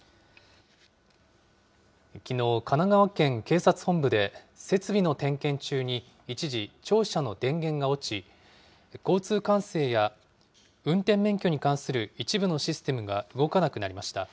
きのう、神奈川県警察本部で、設備の点検中に、一時、庁舎の電源が落ち、交通管制や運転免許に関する一部のシステムが動かなくなりました。